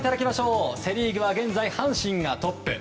セ・リーグは現在、阪神がトップ。